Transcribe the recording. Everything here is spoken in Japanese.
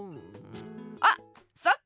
あそっか！